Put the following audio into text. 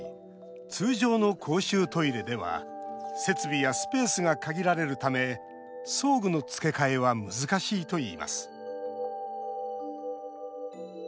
通常の公衆トイレでは設備やスペースが限られるため装具の付け替えは難しいといいます。